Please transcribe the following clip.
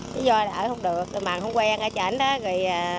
lý do là ở không được mà không quen ở chảnh đó